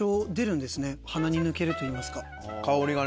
鼻に抜けるといいますか。